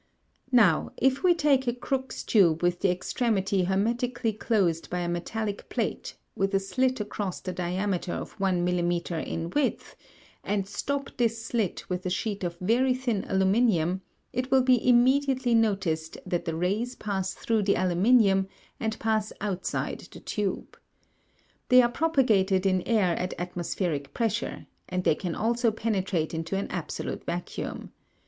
Now if we take a Crookes tube with the extremity hermetically closed by a metallic plate with a slit across the diameter of 1 mm. in width, and stop this slit with a sheet of very thin aluminium, it will be immediately noticed that the rays pass through the aluminium and pass outside the tube. They are propagated in air at atmospheric pressure, and they can also penetrate into an absolute vacuum.